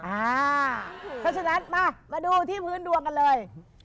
เพราะฉะนั้นมามาดูที่พื้นดวงกันเลย